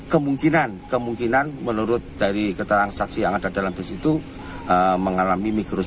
kemungkinan kemungkinan menurut dari keterangan saksi yang ada dalam bus itu mengalami mikros